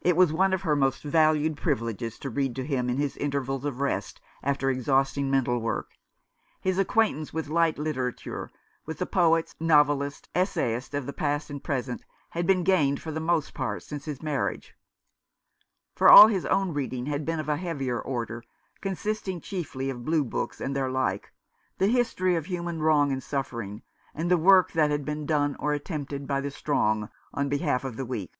It was one of her most valued privileges to read to him in his intervals of rest after exhausting mental work. His acquaintance with light litera ture — with the poets, novelists, essayists of the past and present — had been gained for the most part since his marriage ; for all his own reading had been of a heavier order, consisting chiefly of blue books, and their like, the history of human wrong and suffering, and the work that had been done or attempted by the strong on behalf of the weak.